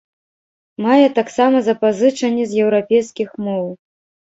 Мае таксама запазычанні з еўрапейскіх моў.